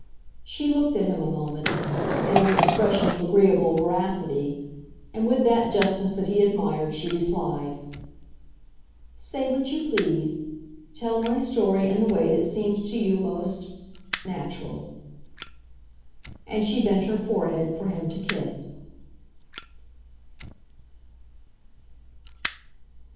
She looked at him a moment—at his expression of agreeable veracity; and, with that justness that he admired, she replied, "Say what you please. Tell my story in the way that seems to you most—natural." And she bent her forehead for him to kiss.